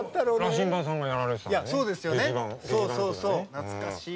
懐かしい！